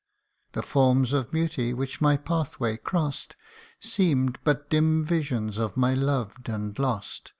The forms of beauty which my pathway cross'd Seem'd but dim visions of my loved and lost, 36 THE UNDYING ONE.